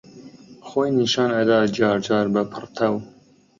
خۆی نیشان ئەدا جارجار بە پڕتەو